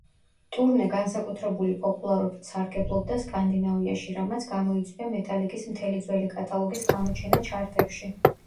ტურნე განსაკუთრებული პოპულარობით სარგებლობდა სკანდინავიაში, რამაც გამოიწვია მეტალიკის მთელი ძველი კატალოგის გამოჩენა ჩარტებში.